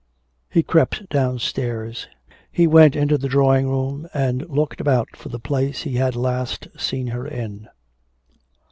He crept downstairs. He went into the drawing room, and looked about for the place he had last seen her in.